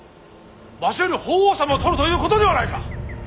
わしより法皇様を取るということではないか！